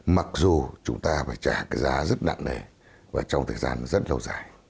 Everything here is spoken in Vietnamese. mặc dù chúng ta phải trả cái giá rất nặng này và trong thời gian rất lâu dài